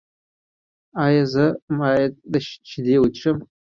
ایا زه باید شیدې چای وڅښم؟